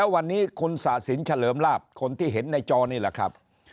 วันนี้คุณศาสินเฉลิมลาบคนที่เห็นในจอนี่แหละครับ